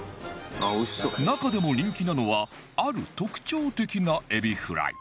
中でも人気なのはある特徴的なエビフライ